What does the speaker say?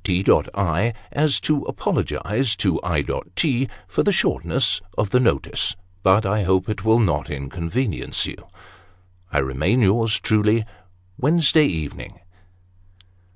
" T. I. as To apologise to I. T. for the shortness Of the notice But i hope it will not unconvenience you. " I remain yours Truly " Wednesday evening."